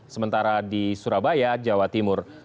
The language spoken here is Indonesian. sementara di surabaya jawa timur